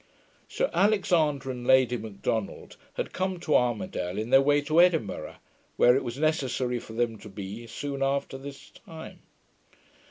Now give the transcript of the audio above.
Sir Alexander and Lady Macdonald had come to Armidale in their way to Edinburgh, where it was necessary for them to be soon after this time.